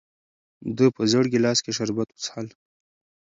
ده په زېړ ګیلاس کې شربت وڅښل.